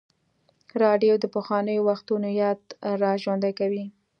راډیو د پخوانیو وختونو یاد راژوندی کوي.